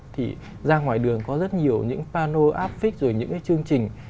thì ra ngoài đường có rất nhiều những panel app fix rồi những chương trình